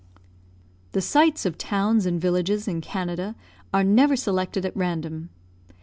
The sites of towns and villages in Canada are never selected at random.